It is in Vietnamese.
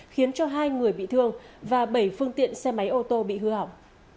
khiến cho hai người bị thương và bảy phương tiện xe máy ô tô bị hư hỏng